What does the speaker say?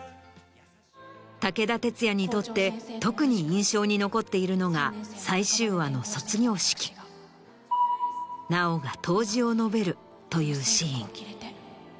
武田鉄矢にとって特に印象に残っているのが最終話の卒業式直が答辞を述べるというシーン。